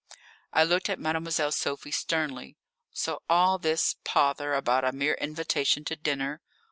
I looked at Mademoiselle Sophie sternly. "So all this pother was about a mere invitation to dinner!